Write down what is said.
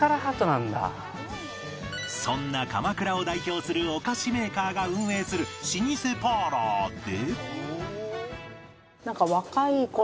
そんな鎌倉を代表するお菓子メーカーが運営する老舗パーラーで